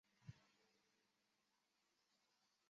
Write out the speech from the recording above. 拉尼斯是德国图林根州的一个市镇。